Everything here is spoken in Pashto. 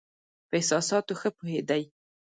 په احساساتو ښه پوهېدی.